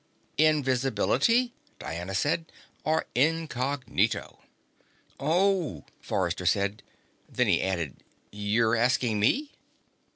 "Invisibility," Diana said, "or incognito?" "Oh," Forrester said. Then he added: "You're asking me?"